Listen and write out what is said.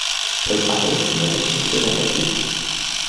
El pare nega ser un desagraït?